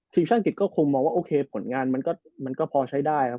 ชาติอังกฤษก็คงมองว่าโอเคผลงานมันก็พอใช้ได้ครับ